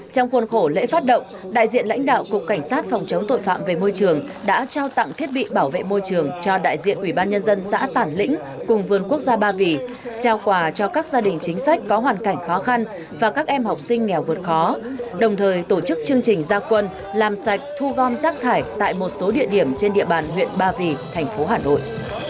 trong khuôn khổ lễ phát động đại diện lãnh đạo cục cảnh sát phòng chống tuệ phạm về môi trường đã trao tặng thiết bị bảo vệ môi trường cho đại diện ủy ban nhân dân xã tản lĩnh cùng vườn quốc gia ba vì trao quà cho các gia đình chính sách có hoàn cảnh khó khăn và các em học sinh nghèo vượt khó đồng thời tổ chức chương trình gia quân làm sạch thu gom rác thải tại một số địa điểm trên địa bàn huyện ba vì thành phố hà nội